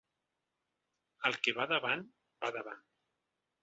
El que va davant va davant.